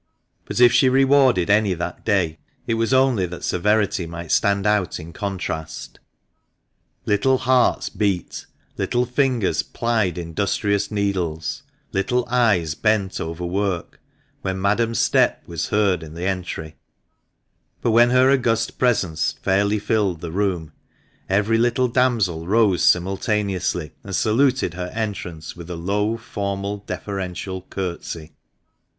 But if she rewarded any that day, it was only that severity might stand out in contrast. Little hearts beat, little fingers plied industrious needles, little eyes bent over work, when Madame's step was heard in the entry ; but when her august presence fairly filled the room, every little damsel rose simultaneously, and saluted her entrance with a low, formal, deferential curtsey.